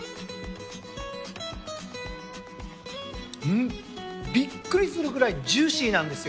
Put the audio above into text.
うん。びっくりするくらいジューシーなんですよ。